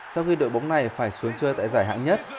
sau khi đội bóng này phải xuống chơi tại giải hạng nhất